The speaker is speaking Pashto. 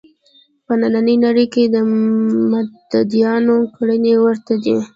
په نننۍ نړۍ کې د متدینانو کړنې ورته دي.